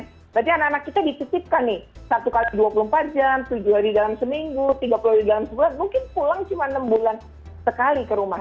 berarti anak anak kita dititipkan nih satu x dua puluh empat jam tujuh hari dalam seminggu tiga puluh hari dalam sebulan mungkin pulang cuma enam bulan sekali ke rumah